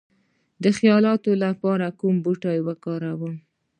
د خیالاتو لپاره کوم بوټي وکاروم؟